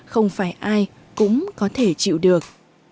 không phải ai cũng có thể chịu được